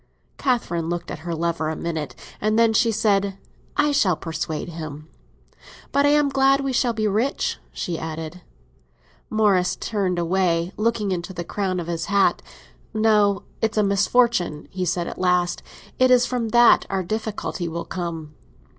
Catherine looked at her lover a minute, and then she said, "I shall persuade him. But I am glad we shall be rich," she added. Morris turned away, looking into the crown of his hat. "No, it's a misfortune," he said at last. "It is from that our difficulty will come."